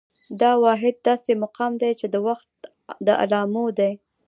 دا واحد داسې مقام دى، چې د وخت د علامو دى